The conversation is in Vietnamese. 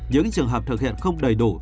những trường hợp thực hiện không đầy đủ